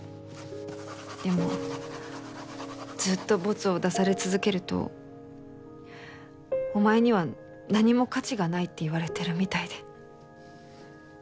でもずっとボツを出され続けるとお前には何も価値がないって言われてるみたいで。